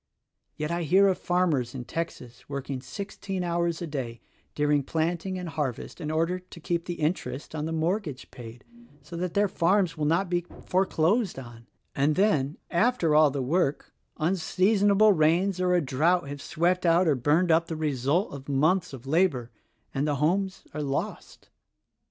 Yet I hear or' farmers in Texas working sixteen hours a day during planting and harvest in order to keep the interest on the mortgage paid so that their farms shall not be foreclosed on; and then, after all the work, unsea sonable rains or a drought have swept out or burned up the results of months of labor — and the homes are lost.